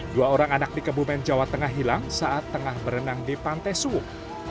dua orang anak di kebumen jawa tengah hilang saat tengah berenang di pantai suwuk